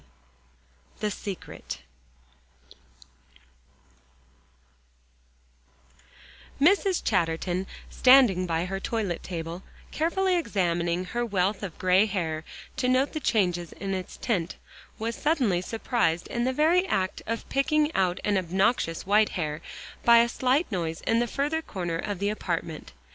XX THE SECRET Mrs. Chatterton, standing by her toilet table, carefully examining her wealth of gray hair to note the changes in its tint, was suddenly surprised in the very act of picking out an obnoxious white hair, by a slight noise in the further corner of the apartment.